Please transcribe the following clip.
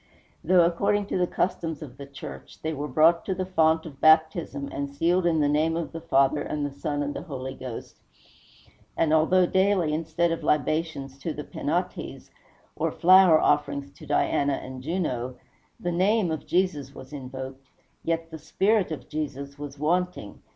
Though, according to the customs of the church, they were brought to the font of baptism, and sealed in the name of the Father, and the Son, and Holy Ghost, and although daily, instead of libations to the Penates, or flower offerings to Diana and Juno, the name of Jesus was invoked, yet the spirit of Jesus was wanting.